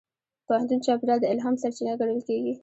د پوهنتون چاپېریال د الهام سرچینه ګڼل کېږي.